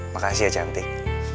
makasih ya cantik